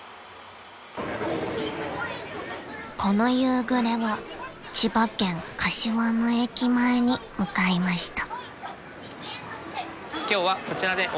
［この夕暮れは千葉県柏の駅前に向かいました］